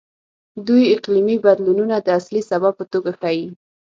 دوی اقلیمي بدلونونه د اصلي سبب په توګه ښيي.